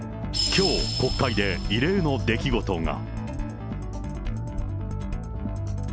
きょう、国会で異例の出来事が。